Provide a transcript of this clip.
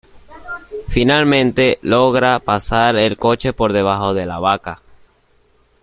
Finalmente logra pasar el coche por debajo de la vaca.